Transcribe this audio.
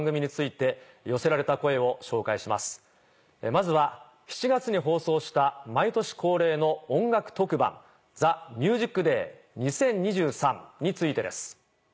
まずは７月に放送した毎年恒例の音楽特番『ＴＨＥＭＵＳＩＣＤＡＹ２０２３』についてです。